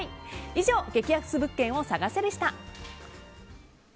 以上、激安物件を探せでした。